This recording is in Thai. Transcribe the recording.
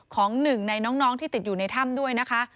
ของหนึ่งในน้องที่ติดอยู่ในถ้ำด้วยนะคะ